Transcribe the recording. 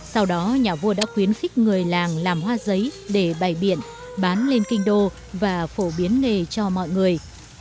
sau đó nhà vua đã khuyến khích người làng làm hoa giấy để bày biện bán lên kinh đô và phổ biến nghề cho mọi người